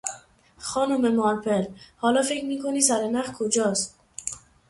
خانم مارپل، حالا فکر می کنی سر نخ کجاست؟